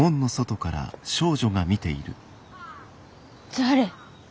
誰？